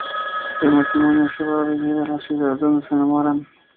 El matrimonio se va a vivir a la ciudad donde se enamoran.